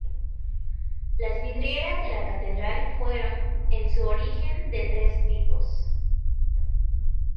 Las vidrieras de la catedral fueron, en su origen, de tres tipos.